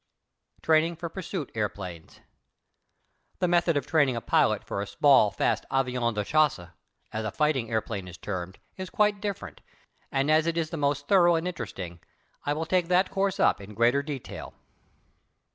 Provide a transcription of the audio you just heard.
TRAINING FOR PURSUIT AIRPLANES The method of training a pilot for a small, fast avion de chasse, as a fighting airplane is termed, is quite different, and as it is the most thorough and interesting I will take that course up in greater detail.